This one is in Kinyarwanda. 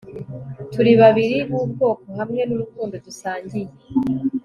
turi babiri b'ubwoko hamwe nurukundo dusangiye